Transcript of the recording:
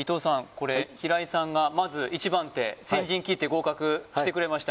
これはい平井さんがまず一番手先陣切って合格してくれました